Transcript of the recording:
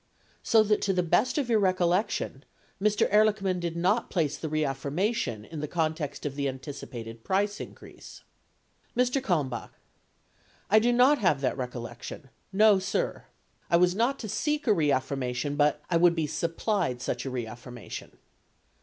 So that to the best of your recollection Mr. Ehrlichman did not place the reaffirmation in the context of the anticipated price increase. Mr. Kalmbach. I do not have that recollection ; no, sir ... I was not to seek a reaffirmation, but ... I would be supplied such a reaffirmation.